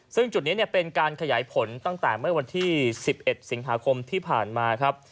ซึ่งจุดนี้เป็นการขยายผลตั้งแต่เมื่อวันที่๑๑สิงหาคมที่ผ่านมาครับ